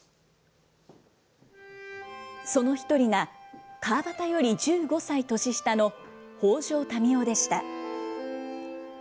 その一人が、川端より１５歳年下の北條民雄でした。